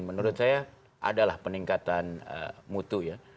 menurut saya adalah peningkatan mutu ya